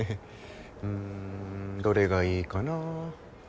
うんどれがいいかなぁ。